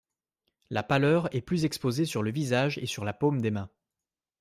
La pâleur est plus exposée sur le visage et sur la paume des mains.